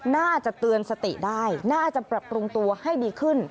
น่าจะเตือนสติได้น่าจะปรับปรุงตัวให้ดีขึ้น